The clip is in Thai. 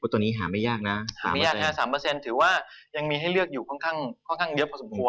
ตัวนี้หาไม่ยากนะ๓ถือว่ายังมีให้เลือกอยู่ค่อนข้างเลี้ยวพอสมควร